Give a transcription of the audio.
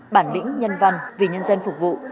bản lĩnh nhân văn vì nhân dân phục vụ